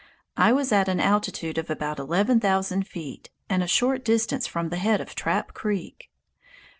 I was at an altitude of about eleven thousand feet and a short distance from the head of Trap Creek.